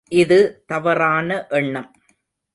இது தவறான எண்ணம்.